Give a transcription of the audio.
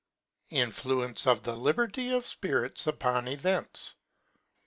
Influence of the Liberty of Spirits, upon Events.